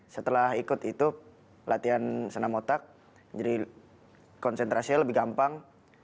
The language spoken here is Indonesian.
setelah ikut itu latihan senam otak jadi konsentrasinya lebih gampang